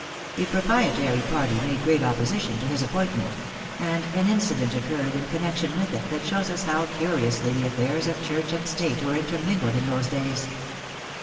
The proprietary party made great opposition to his appointment; and an incident occurred in connection with it that shows us how curiously the affairs of Church and State were intermingled in those days.